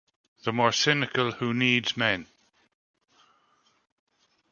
The more cynical Who Needs Men?